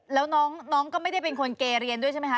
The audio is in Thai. แล้วน้องก็ไม่ได้เป็นคนเกเรียนด้วยใช่ไหมคะ